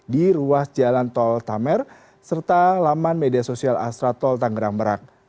di ruas jalan tol tamer serta laman media sosial astra tol tangerang merak